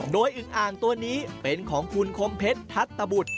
โดยอึงอ่างตัวนี้เป็นของคุณคมเพชรทัศตะบุตร